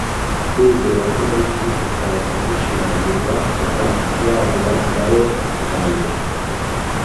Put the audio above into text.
Kwizera kwe muri Kristo kwahise gushimangirwa kuva yahura na we ubwa mbere;